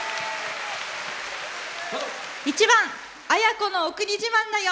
１番「あや子のお国自慢だよ」。